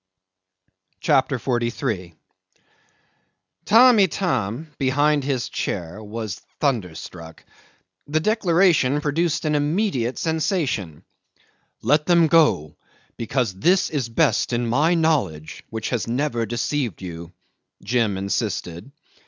CHAPTER 43 'Tamb' Itam behind his chair was thunderstruck. The declaration produced an immense sensation. "Let them go because this is best in my knowledge which has never deceived you," Jim insisted.